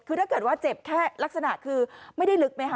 คือถ้าเกิดว่าเจ็บแค่ลักษณะคือไม่ได้ลึกไหมค